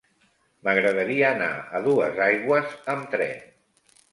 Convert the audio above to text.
M'agradaria anar a Duesaigües amb tren.